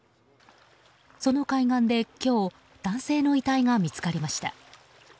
その海岸で今日、男性の遺体が見つかりました。